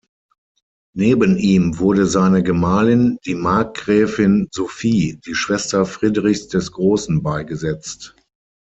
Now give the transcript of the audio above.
Neben ihm wurde seine Gemahlin, die Markgräfin Sophie, die Schwester Friedrichs des Großen, beigesetzt.